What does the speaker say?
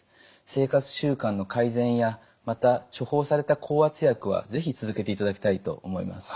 生活習慣の改善やまた処方された降圧薬は是非続けていただきたいと思います。